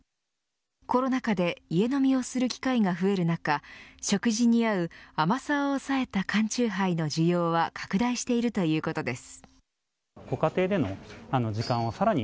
コロナ禍で家飲みをする機会が増える中食事に合う甘さを抑えた缶チューハイの需要は拡大しているということです。